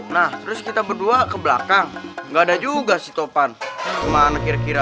nah terus kita berdua ke belakang gak ada juga si topan kemana kira kira